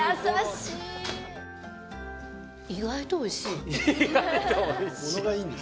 意外とおいしい。